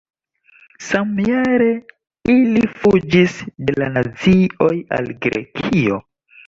Samjare ili fuĝis de la nazioj al Grekio.